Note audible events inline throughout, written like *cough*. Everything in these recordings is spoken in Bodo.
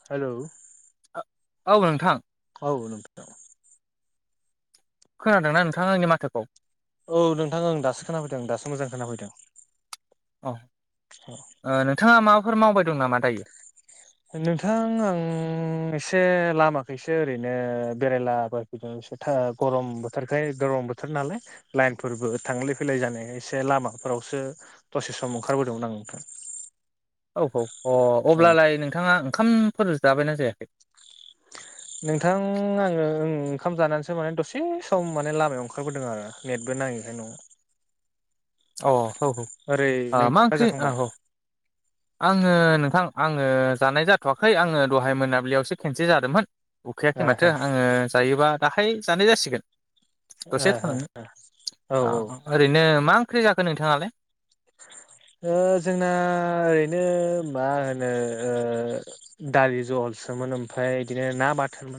हेल' औ नोंथां औ नोंथा औ खोनादोंना नोंथाङा आंनि माथोखौ औ नोंथां आं दासो खोनाफैदोंं दासो मोजां खोनाफैदों अ औ ओ नोंथाङा माबाफोर मावबाय दं नामा दायो नोंथां आं एसे लामाखैसो ओरैनो बेरायलाबायफैदों स था गरम बोथोरखाय गरम बोथोर नालाय लाइनफोरबो थांलाय फैलाय जानाय एसे लामा फोरावसो दसे सम ओंखारबोदोंमोन आं नोंथाङां औ औ अ नोंथां औ अब्लालाय नोंथाङा ओंखामफोर जाबायना जायाखै *unintelligible* नोंथां आङो ओ ओंखाम जानानैसो माने दसे सम माने लामायाव ओंखारबोदों आरो नेटबो नां ओंखायन *unintelligible* अ औ औ ओ ओरै मा नोंथाङा ओंख्रि ओ जाखांबाय? औ आङो नोंथां आङो जानाय जाथवाखै आङो दहाय मोनाबिलियावसो खेनसे उखैयाखै माथो आङो जायोबा दाहाय जानाय जासिगोन दसे थानानै औ आ औ ओरैनो मा ओंख्रि जाखो नोंथाङालाय *unintelligible* ओ जोंना ओरैनो मा होनो ओ दालि जहलसो सोमोन ओमफ्राय बिदिनो ना बाथोन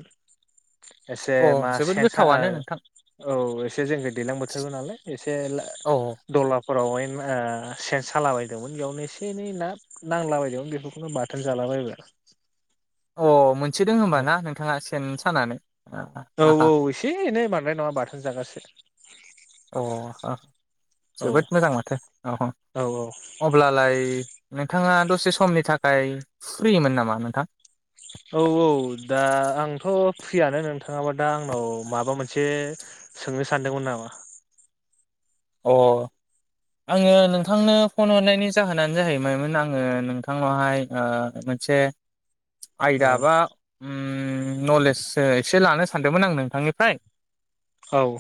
अ जोबोद गोथावनो नोंथां औ एसे जेन दैलां बोथोरबो नालाय एसे ला अ दलाफोरावहाय ओ सेन सालाबायदोंमोन बेयावनो एसे एनै ना नांलाबायदोंमोन बेफोरखौनो बाथोन जालाबायबाय अ मोनसो दों होम्बा औ ना नोंथाङा सेन सानानै औ औ एसे एनै बांद्राय नङा बाथोन जागारसो अ आ औ जोबोद मोजां माथो अ औ अब्लालाय नोंथाङा दसे समनि थाखाय फ्रिमोन नामा नोंथां औ औ दा आंथ फ्रियानो नोंथाङाबा दा आंनाव माबा मोनसे सोंनो सानदोंमोन नामा? *inaudible* अ। आंङो नोंथांनो फन हरनायनि जाहोनानो जाहैबायमोन आंङो नोंथांनावहाय ओ सा औ आयदा बा उम नलेस सो एसे लानो सानदोंमोन आं नोंथांनिफ्राय औ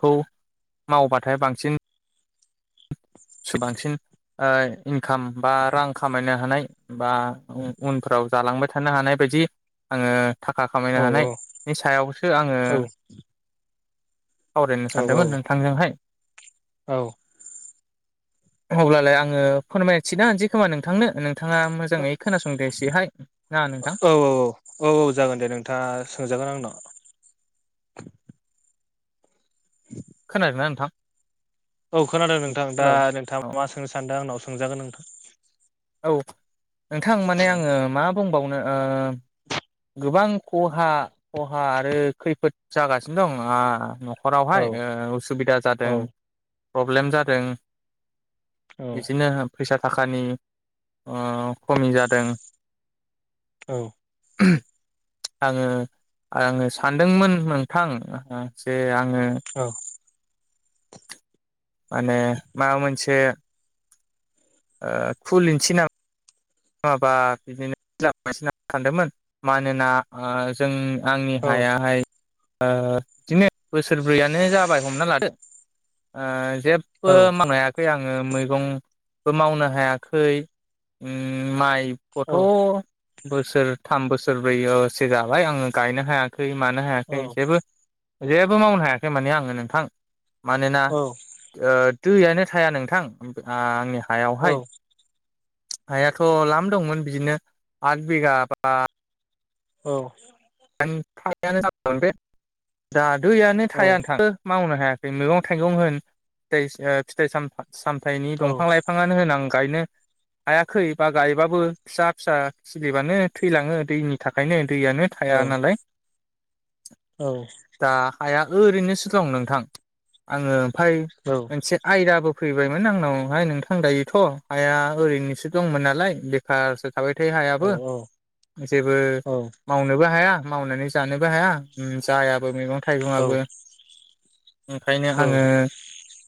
खौ मावबाथाय बांसिन सोबांसिन ओ इनकाम बा रां खामायनो हानाय बा उ उनफ्राव जालांबाय थानो हानाय बायदि आंङो थाखा औ खामायनो औ हानायनि सायावसो आंङो औ सावरायनो औ सानदोंमोन नोंथांजोंहाय अब्लालाय आंङो फोरमायनोथिना होनोसै खोमा नोंथांनो नोंथाङा औ औ मोजाङै खोनासंदो एसेहाय ना नोंथां औ औ औ जागोन दे नोंथाङा सोंजा *unintelligible* खोनादोंना नोंथां? औ खोनादों नोंथां दा हेलौ औ नोंथाङा मा सोंनो सानदों आंनाव सोंजागोन नोंथां औ नोंथां माने आंङो मा बुंबावनो ओ गोबां खहा खहा आरो खैफोद जागासिनो दं आ न'ख औ नख'रावहाय ओ उसुबिदा औ जादों प्रब्लेम जादों औ बिदिनो फैसा थाखानि ओ खमि जादों औ आंङो आंङो सानदोंमोन नोंथां ओ जे आं *unintelligible* औ माने माबा मोनसे ओ खुलिनिसै ना माबा बिदिनो *unintelligible* सानदोंमोन मानोना ओ जों आंनि औ हायाहाय ओ बिदिनो बोसोरब्रैयानो जाबाय हमना लादो ओ जेबो औ मावनो हायाखै आं ओ मैगंबो मावनो हायाखै उम माइ औ खथ' बोसोर थाम बोसोरब्रैसो जाबाय आंङो गायनो हायाख खै मानो औ हायाखै जेबो जेबो मावनो हायाखै माने आंङो नोंथां मानोना औ ओ दैयानो थाया नोंथां ओ आंनि हा औ हायावहाय हायाथ' लाम दंमोन बिदिनो आथ बिगा बा औ *unintelligible* बे दा दैयानो औ थाया औ औ नोंथां मावनो हाया मैगं थाइगं होन फिथाइ ओ फिथाइ साम सामथायनि औ दंफां लाइफाङानो होन आं गायनो हायाखै बा गायबाबो फिसा फिसा खिलिबानो थैलांङो दैनि थाखायनो दैयानो थाया नालाय दा हाया ओरैनोसो दं नोंथां आङो ओमफ्राय मोनसे आयदाबो फैबायमोन आंनावहाय नोंथां दायोथ' हाया ओरैनोसो दंमोन नालाय बेखारसो थाबायथायो हायाबो जेबो नोबो हाया मावनानै जानोबो हाया उम जायाबो मैगं थाइगंआबो ओंखायनो आंङो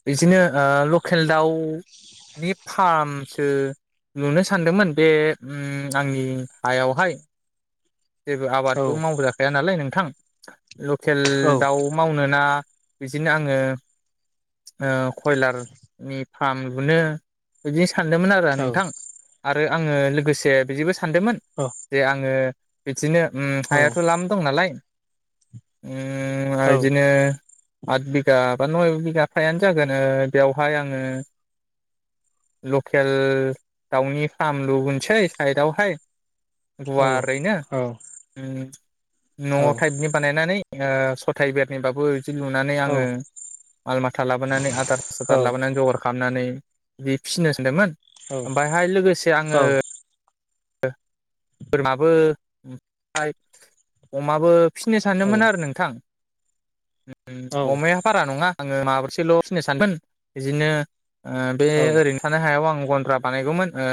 बिदिनो ओ लकेल दाउनि फार्म सो लुनो सानदोंमोन बे उम आंनि हायावहाय जेबो आबादबो मावबोजाखाया नालाय नोंथां लकेल दाउ मावनोना बिदिनो आंङो ओ कयलारनि फार्म लुनो बिदिनो सानदोंमोन आरो नोंथां आरो आङो लोगोसे बिदिबो सा सानदोंमोन जे आङो बिदिनो ओम हायाथ' लाम दं नालाय उ बिदिनो आठ बिगा बा नय बिगा फायानो जागोन बेवहाय आङो लकेल दाउनि फार्म लुगोनसै साइदआवहाय गुवारैनो न' टाइपनि बानायनानै हो सथाय बेरनिबाबो *inaudible* लुनानै आङो आल माथा लाबोनानै आदार थासदार लाबोनानै जगार हाबनानै बिदि फिसिनो सानदोंमोन ओमफ्रायहाय लोगोसे आङो बोरमाबो *unintelligible* अमाबो फिसिनो सानदोंमोन आरो नोंथां। ओम अमाया बारा नङा आङो माब्रैसोल' फिसिनो सानमोन बिदिनो बे ओरैनो थानाय हायाव आं गन्द्रा बानायगौमोन ओ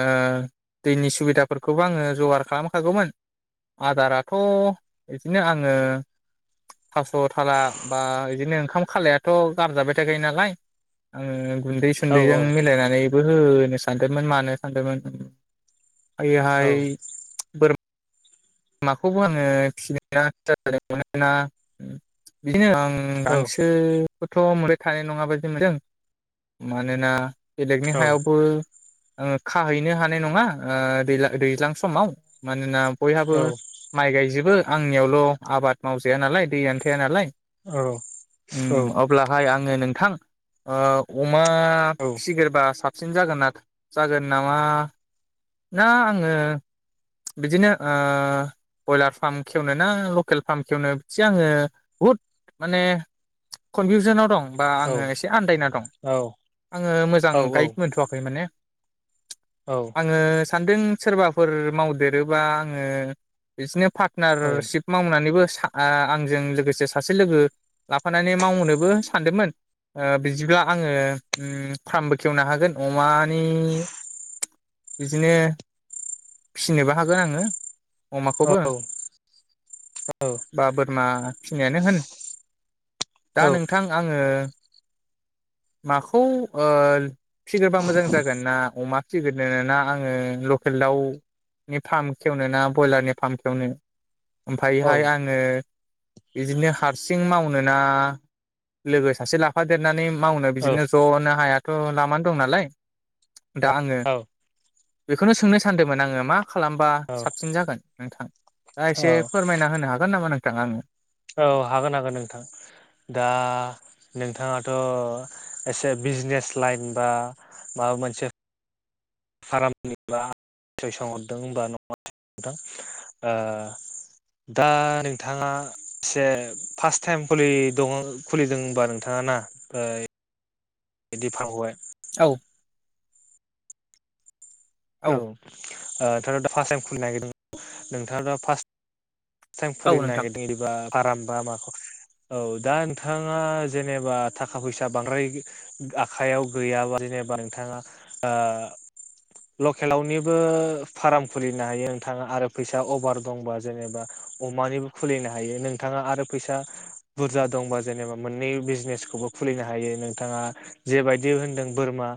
दैनि सुबिदा फोरखौबो आङो जगार खालामखागौमोन। आदाराथ' बिदिनो आङो थास' थाला बा बिदिनो ओंखाम खालायाथ' गारजाबाय थाखायो नालाय। आङो गुन्दै सुन्दैजों मिलायनानैबो होनो सानदोंमोन मानो सानदोंमोन ओयहाय बोर माखौबो आङो फिनाया *inaudible* बिदिनो ओं औ गांसोखौथ' मोनबाय थानाय नङाबायदि मोनदों मानोना बेलेगनि औ हायावबो आङो खाहैनो हानाय नङा दै दैज्लां समाव मानोना औ बो माइ गायजोबो आंनियावल' आबाद मावजाया नालाय दैयानो थाया नालाय। ओम अब्लाहाय आङो नोंथां अमा फिसिग्रोबा साबसिन जागोन न जागोन नामा ना आङो बिदिनो ओ ब्रयलार फार्म खेवनो ना लकेल फार्म खेवनो बिसे आङो बहुद माने कनफिउसनाव दं। बा आङो एसे आन्दायना दं आङो मोजां गाइद मोनथ'वाखै माने औ। आङो सानदों सोरबाफोर मावदेरोबा आङो बिदिनो फा पार्नारशप मावनानैबो आं आंजों लोगोसे सासे लोगो लाफानानै मावहोननोबो सानदोंमोन। बिदिब्ला आङो ओम फार्मबो खेवनो हागोन अमानि बिदिनो फिनोबो हागोन आङो। अमाखौबो बा बोरमा फिनायानो होन दा नोंथां आङो माखौ फिग्रोबा ओ मोजां जागोन ना अमा फिगोरनोना आङो लकेल दाउनि फार्म खेवनो ना ब्रयलारनि फार्म खेवनो ओमफफ्रायहाय आङो बिदिनो हारसिं माव नोना लोगो सासे लाफादेरनानै मावनो बिदिनो ज'नो हाया थ' लामानो दं नालाय दा आङो बेखौनो सोंनो सानदोंमोन आङो मा मा खालामबा साबसिन जागोन नोंथां औ दा औ एसे फोरमायना होनो हागोन नामा नोंथां आंनो? औ हागोन हागोन नोंथां। दा नोंथाङाथ' एसे बिजनेस लाइन बा माबा मोनसे खारामनिब्ला सयसोंहरदों होनबा *inaudible* ओ दा नोंथाङा एसे फार्स्ट टाइम खुलि दङ खुलिदोंबा नोंथाङा ना ओ बिदि फावबाय औ औ ओ नोंथाङा दा फार्स्ट टाइम खुलिनो नागिरदों नोंथाङ दा फार्स्ट टाइम औ खुलिनो नोंथां नागिरदों इदिबा फारामबा माखौ औ दा नोंथाङा जेनेबा थाखा फैसा बांद्राय आखायाव गैयाबा जेनेबा नोंथाङा ओ *inaudible* लकेलावनिबो फार्म खुलिनो हायो नोंथाङा आरो फैसा अभार दंबा जेनेबा अ मानिबो खुलिनो हायो नोंथाङा आरो फैसा बुरजा दंबा जेनेबा मोननै बिजनेसखौबो खुलि नो हायो नोंथाङा जेबायदि होनदों बोरमा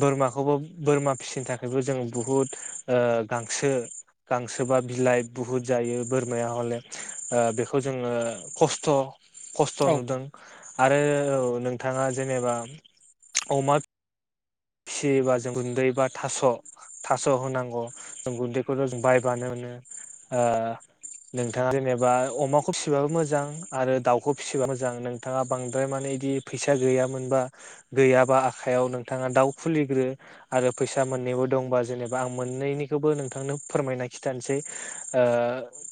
बोरमाखौबो बोरमा फिसिनो थाख- बो जोङो बुहुद ओ गांसो गांसोबा बिलाइ बुहुद जायो बोरमाया हले ओ बेखौ जोङो खस्थ' खस्थ' औ नुदों आरो नोंथाङा जेनेबा अमा फिसियोबा जों गुन्दै बा थास' थास' होनांगौ जों गुन्दैखौथ' जों बायबानो नो आ नोंथाङा जेनेबा अमाखौ फिसिबाबो मोजां आरो दाउखौ फिसिब मोजां नोंथाङा बांद्राय माने बिदि फैसा गैयामोनबा गैयाबा आखाइयाव नोंथाङा दाउ खुलिग्रो आरो फैसा मोननैबो दंबा जेनेबा आं मोननैनिखौबो नोंथांनो फोरमायना खिथानोसै ओ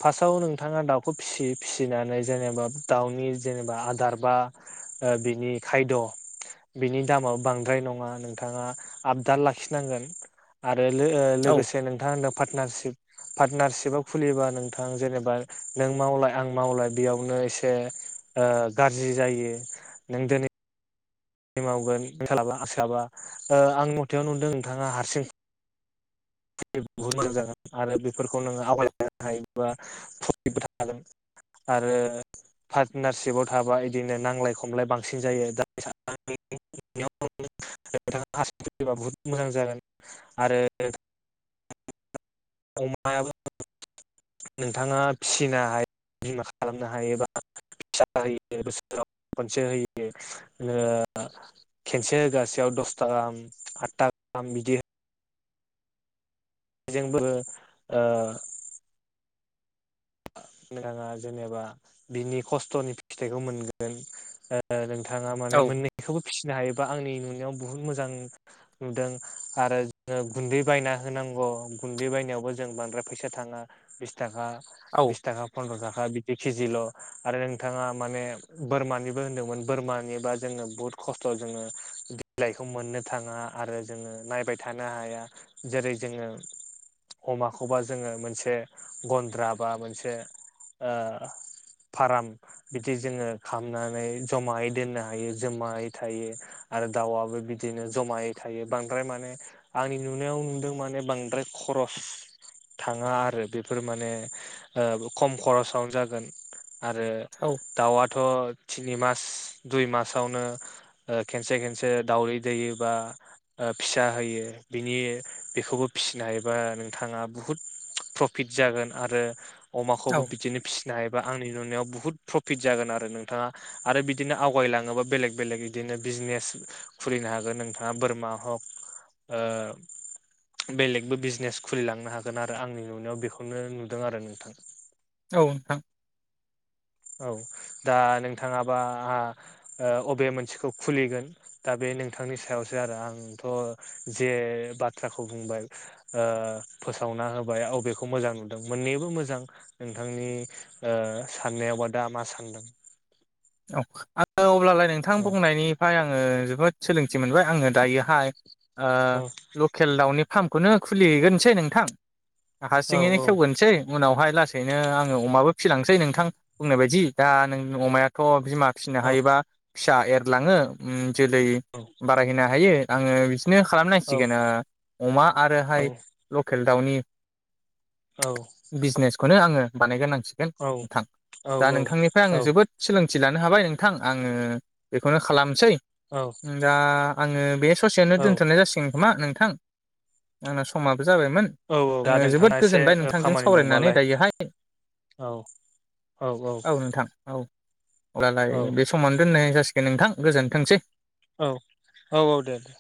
फार्सव नोंथाङा दाउखौ फिसि फिसिनानै जेनेबा दाउनि जेनेब आदारा बा ओ बिनि खायद' बिनि दामा बो बांद्राय नङा थाङा आपडा लाखिनांगोन आरो लो औ लोगोसे नोंथाङा होनदों पार्टनारशिप पार्टनारसिपाव खुलिबा नोंथां जेनेबा नों मावलाय आं मावलाय बेयावनो एसे ओ गाज्रि जायो नों दिनै मावगोन सोलाबा आलाबा ओ आं मथेआव नुदों नोंथाङा हारसिं बहुत मोजां जागोन आरो बेफोरखौ नोङो आवगायलायनो हायोबा फ्रफिटबो थागोन आरो पार्टनारशिपाव थाबा बिदिनो नांलाय खमलाय बांसिन जायो *unintelligible* *unintelligible* नोंथाङाबा हारसिं खुलिबा बहुद मोजां जागोन आरो *inaudible* अमा नोंथाङा फिसिनो हायो बिमा खालामनो हायोबा फिसा होयो बोसोराव खनसे होयो ओ खेनसे होगासेयाव द दसथा गाम आटथा गाम बिदि जोंबो ओ नोंथाङा जेनेबा बिनि खस्थ'नि फिथाइखौ मोनगोन ओ नोंथाङा माने औ मोननैखौबो फिसिनो हायोबा आंनि नुनायाव बुहुत मोजां नुदों आरो जोङो गुन्दै बायना होनांगौ गुन्दै बायनायावबो जों जों बांद्राय फैसा थाङा बिस थाखा औ बिस थाखा फन्द्र थाखा बि जि केजिल' आरो नोंथाङा माने बोरमानिबो होनदोंमोन बोरमानिबा जोङो बहुत खस्थ' जोङो बिलाइखौ मोननो थाङा आरो जोङो नायबाय थानो हाया जेरै जोङो अमाखौबा जोङो मोनसे गन्द्रा बा मोनसे ओ फाराम बिदि जोङो खालामनानै जमायै दोननो हायो जमायै थायो आरो दाउवाबो बिदिनो जमायै थायो बांद्राय माने आंनि नुनायाव नुदों माने बांद्राय ख ख्रस थाङा आरो बेफोर माने ओ खम खरसावनो जागोन आरो औ दाउआथ' तिनि मास दुइ मासावनो खेनसे ओ खेनसे दावदै दैयो बा फिसा होयो बिनि बेखौबो फिसिनो हबा नोंथाङा बुहुत प्रफिट जागोन आरो औ अमाखौबो बिदिनो फिसिनो हायोबा आंनि नुनायाव बुहुत प्रफिट जागोन आरो नोंथाङा आरो बिदिनो आवगायलाङोबा बेलेग बेलेग बिदिनो बिजनेस खुलिनो हागोन नोंथाङा बोरमा हक ओ बेलेगबो बिजनेस खुलिलांनो हागोन आरो आंनि नुनायाव बेखौनो नुदों आरो नोंथां औ नोंथां औ दा नोंथाङाबा आहा ओ अबे मोनसेखौ खुलिगोन दा बे नोंथ थांनि सायावसो आरो आंथ' जे बाथ्राखौ बुंबाय ओ फोसावनो ना होबाय अबेखौ मोजां नुदों मोननैबो मोजां नोंथांनि ओ साननायावबा दा मा सानदों? औ आङो अब्लालाय नोंथां औ बुंनायनिफ्राय आं ओ जोबोद सोलोंथि मोनबाय आङो दायोहाय लकेल दाउनि फार्मखौनो खुलिहैग्रोनोसै नोंथां औ हारसिङैनो औ खेवग्रोसै उनावहाय लासैनो आङो अमाबो फिसिलांनोसै नोंथां बुंनाय बायदि दा नों अमायाथ' बिमा फिसिनो औ हायोबा फिसा एरलाङो उम जोलै बारायहैनो हायो आङो बि दिनो औ खालामनांसिगोन ओ अमा औ आरोहाय लकेल दाउनि बिजनेसखौनो आङो बानायग्रोनांसिगोन औ नोंथां दा नोंथांनिफ्राय औ आङो जोबोद सोलोंथि लानो हाबाय नोंथां आङो बेखौनो खालामसै। औ दा आङो बे ससेयावनो दोनथ'नाय जासिगोन नामा नोंथां? आंना समा बो जाबायमोन औ औ आङो दा जोबोद नोंथांना एसे गोजोनबाय नोंथांजों खामानि सावरायनानै दंबालाय दायोहाय। औ औ औ। नोंथां औ अब्लालाय औ बे समावनो दोननाय जासिगोन नोंथां गोजोनथोंसै। औ औ औ दे दे।